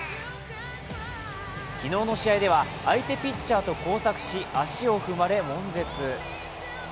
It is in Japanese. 昨日の試合では、相手ピッチャーと交錯し、足を踏まれ、悶絶。